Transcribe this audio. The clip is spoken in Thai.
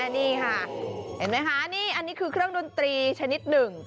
นี่ค่ะเห็นไหมคะนี่อันนี้คือเครื่องดนตรีชนิดหนึ่ง